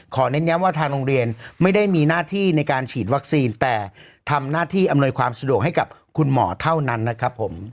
เน้นย้ำว่าทางโรงเรียนไม่ได้มีหน้าที่ในการฉีดวัคซีนแต่ทำหน้าที่อำนวยความสะดวกให้กับคุณหมอเท่านั้นนะครับผม